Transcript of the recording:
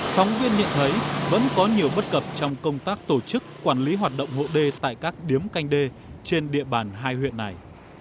phóng viên nhận thấy vẫn có nhiều bất cập trong công tác tổ chức quản lý hoạt động hộ đê tại các điếm canh đê trên địa bàn hai huyện này